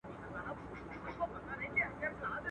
o يا نه کم، چي کم نو د خره کم.